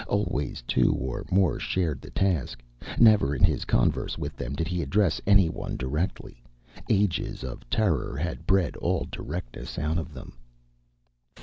Always two or more shared the task. Never in his converse with them did he address anyone directly. Ages of terror had bred all directness out of them.